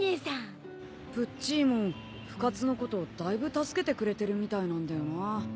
プッチーモン深津のことだいぶ助けてくれてるみたいなんだよな。